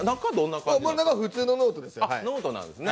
中は普通のノートですよ。